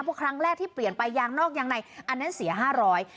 เพราะครั้งแรกที่เปลี่ยนไปยางนอกยางในอันนั้นเสียห้าร้อย